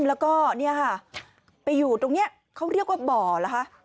แล้วก็เนี่ยค่ะไปอยู่ตรงนี้เขาเรียกว่าบ่อเหรอคะ